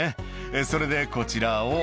それでこちらを」